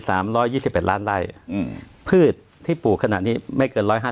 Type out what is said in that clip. ร้อยยี่สิบเอ็ดล้านไล่อืมพืชที่ปลูกขนาดนี้ไม่เกินร้อยห้า